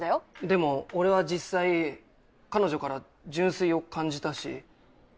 でも俺は実際彼女から純粋を感じたし。